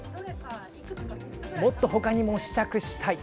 もっと、ほかにも試着したい。